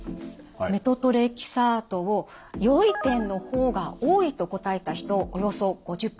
メトトレキサートを「良い点の方が多い」と答えた人およそ５０％。